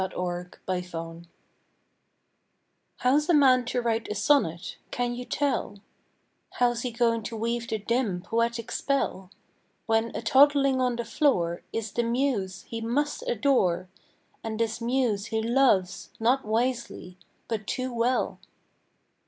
THE POET AND THE BABY How's a man to write a sonnet, can you tell, How's he going to weave the dim, poetic spell, When a toddling on the floor Is the muse he must adore, And this muse he loves, not wisely, but too well?